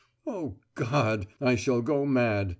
"Oh God! I shall go mad!"